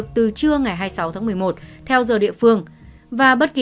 câu chuyệnami năng tresse th yellow car backs